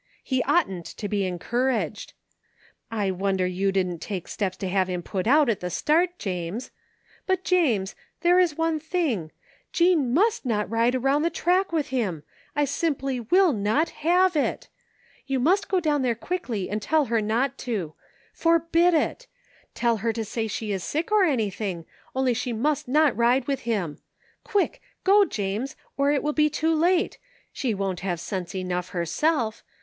He oughtn't to be encouraged. I wonder you didn't take steps to have him put out at the start, James. But, James! There is one thing, Jean must not ride around the track with him ! I simply 231 FINDING OF JASPER HOLT will not have it! You must go down there quickly and tell her not to. Forbid it ! Tell her to say she is sick or anything, only she must not ride with him. Quick! Go, James! or it will be too late! She won't have sense enough herself.